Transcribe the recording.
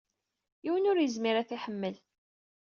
Yiwen ur izmir ad t-iḥemmel.